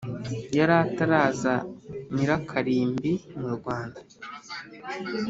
yari ataraza nyirakarimbi mu rwanda!